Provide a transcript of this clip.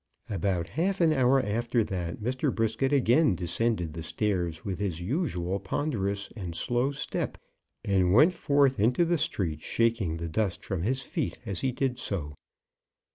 About half an hour after that, Mr. Brisket again descended the stairs with his usual ponderous and slow step, and went forth into the street, shaking the dust from his feet as he did so.